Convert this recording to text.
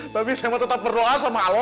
tapi saya mah tetap berdoa sama lo